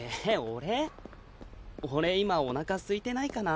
俺今おなかすいてないかな。